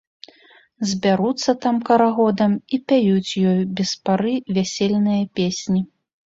Збяруцца там карагодам і пяюць ёй без пары вясельныя песні.